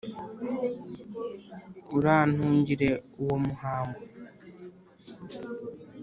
urantungire uwo muhango